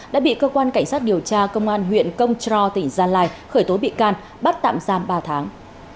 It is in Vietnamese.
đã bị cơ quan cảnh sát điều tra công an huyện công tró tỉnh gia lai khởi tố bị can bắt tạm giam ba tháng